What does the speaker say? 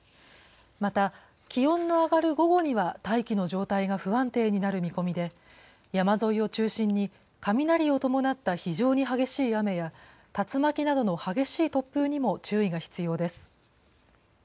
また、気温の上がる午後には、大気の状態が不安定になる見込みで、山沿いを中心に雷を伴った非常に激しい雨や、竜巻などの激しい突風にも注意が必要です。